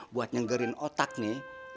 buat nyengerin otak nih